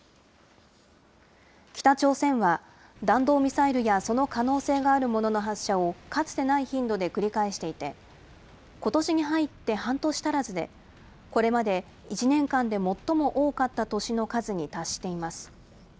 北朝鮮は弾道ミサイルやその可能性があるものの発射を、かつてない頻度で繰り返していて、ことしに入って半年足らずで、これまで、１年間で最も多かった年の数に達しています。